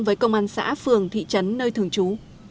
với công an xã phường thị trấn nơi thường trú